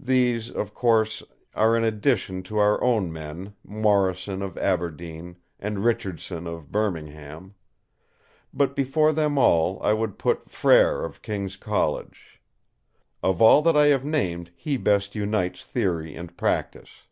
These, of course, are in addition to our own men, Morrison of Aberdeen and Richardson of Birmingham. But before them all I would put Frere of King's College. Of all that I have named he best unites theory and practice.